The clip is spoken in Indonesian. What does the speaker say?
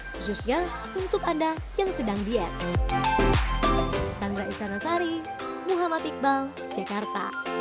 khususnya untuk anda yang sedang diet